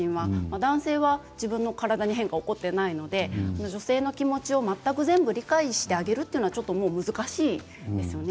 男性は自分の体に変化は起こっていないので女性の気持ちを全部理解してあげるというのは難しいんですよね。